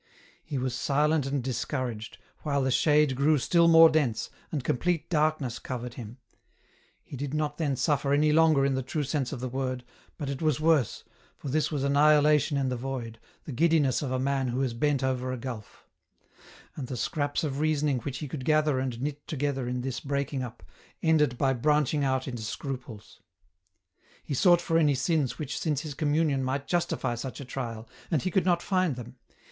He was silent and discouraged, while the shade grew still more dense, and complete darkness covered him. He did not then suffer any longer in the true sense of the word, but EN ROUTE. 247 it was worse, for this was annihilation in the void, the giddi ness of a man who is bent over a gulf ; and the scraps of reasoning which he could gather and knit together in this breaking up, ended by branching out into scruples. He sought for any sins which since his communion might justify such a trial, and he could not find them.